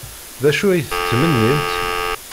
D acu ay tettmennimt?